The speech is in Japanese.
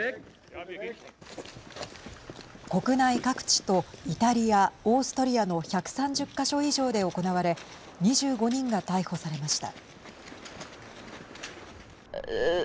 国内各地とイタリア、オーストリアの１３０か所以上で行われ２５人が逮捕されました。